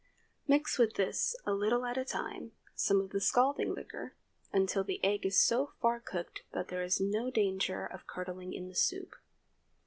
Mix with this, a little at a time, some of the scalding liquor, until the egg is so far cooked that there is no danger of curdling in the soup.